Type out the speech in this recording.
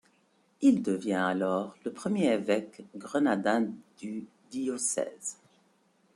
Il devient alors le premier évêque grenadin du diocèse.